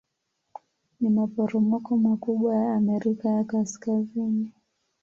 Ni maporomoko makubwa ya Amerika ya Kaskazini.